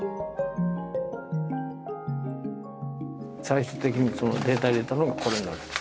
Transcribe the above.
最終的にデータを入れたのがこれなんです。